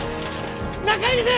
中入り勢